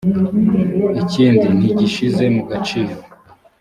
ikindi ntigishyize mu gaciro